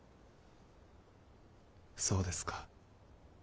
そうですか。